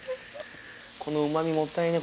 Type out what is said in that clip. このうまみもったいねえ